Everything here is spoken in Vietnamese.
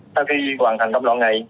sau khi hoàn thành tâm loại này